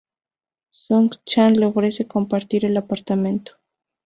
Sung-chan le ofrece compartir el apartamento.